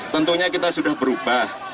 tentunya kita sudah berubah